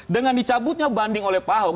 dengan dicabutnya banding oleh pak ahok